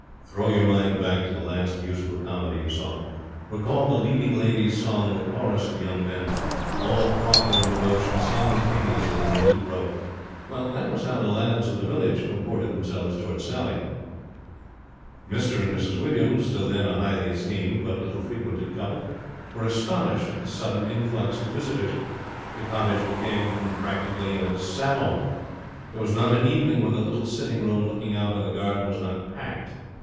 Throw your mind back to the last musical comedy you saw. Recall the leading lady's song with chorus of young men, all proffering devotion simultaneously in a neat row. Well, that was how the lads of the village comported themselves towards Sally. Mr and Mrs Williams, till then a highly esteemed but little frequented couple, were astonished at the sudden influx of visitors. The cottage became practically a salon. There was not an evening when the little sitting room looking out on the garden was not packed.